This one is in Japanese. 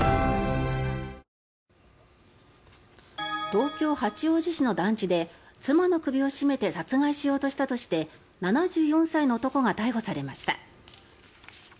東京・八王子市の団地で妻の首を絞めて殺害しようとしたとして７４歳の男が逮捕されました。